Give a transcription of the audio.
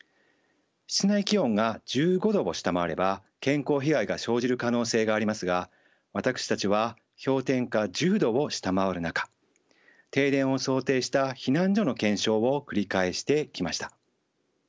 室内気温が１５度を下回れば健康被害が生じる可能性がありますが私たちは氷点下１０度を下回る中停電を想定した避難所の検証を繰り返してきました。